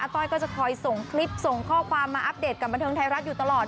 ต้อยก็จะคอยส่งคลิปส่งข้อความมาอัปเดตกับบันเทิงไทยรัฐอยู่ตลอด